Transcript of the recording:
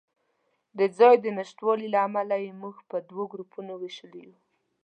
د ځای د نشتوالي له امله یې موږ په دوو ګروپونو وېشلي یو.